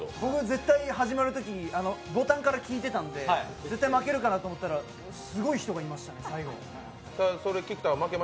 絶対、始まるときにボタンからひいてたんで絶対負けるかなと思ったら最後すごい人がいましたね。